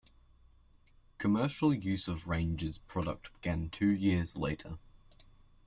Commercial use of Ranger's product began two years later.